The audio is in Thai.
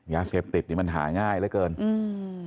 ยาเสพติดนี่มันหาย่ายแล้วกัน